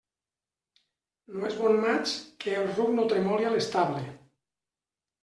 No és bon maig, que el ruc no tremoli a l'estable.